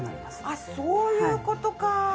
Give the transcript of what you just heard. あっそういう事か。